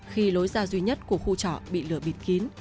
khi lối ra duy nhất của khu trọ bị lửa bịt kín